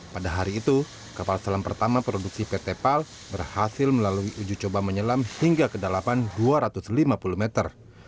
pada hari itu kapal selam pertama produksi pt pal berhasil melalui uji coba menyelam hingga kedalaman dua ratus lima puluh meter